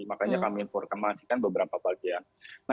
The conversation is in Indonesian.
makanya kami informasikan beberapa bagian